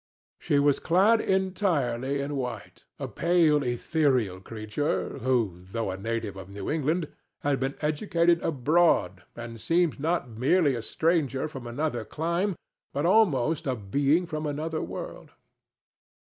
She was clad entirely in white—a pale, ethereal creature who, though a native of New England, had been educated abroad and seemed not merely a stranger from another clime, but almost a being from another world.